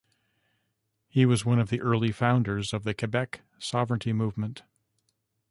He was one of the early founders of the Quebec sovereignty movement.